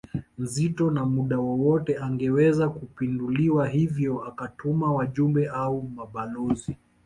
nzito na muda wowote angeweza kupinduliwa hivyo akatuma wajumbe au mabalozi